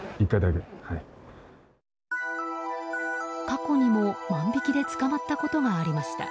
過去にも万引きで捕まったことがありました。